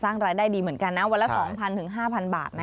สร้างรายได้ดีเหมือนกันนะวันละ๒๐๐๐๕๐๐๐บาทไหมคะ